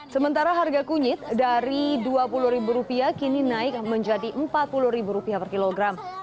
sementara harga kunyit dari rp dua puluh kini naik menjadi rp empat puluh per kilogram